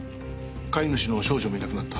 飼い主の少女もいなくなった。